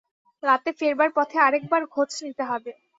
রাতে ফেরবার পথে আরেক বার খোঁজ নিতে হবে।